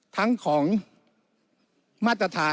แต่การเลือกนายกรัฐมนตรี